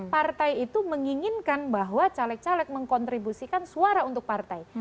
partai itu menginginkan bahwa caleg caleg mengkontribusikan suara untuk partai